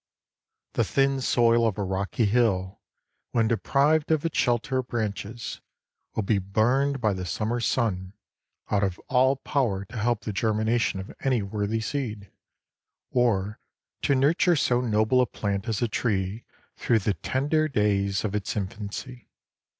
The thin soil of a rocky hill, when deprived of its shelter of branches, will be burned by the summer sun out of all power to help the germination of any worthy seed, or to nurture so noble a plant as a tree through the tender days of its infancy.